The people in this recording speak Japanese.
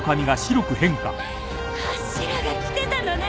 柱が来てたのね。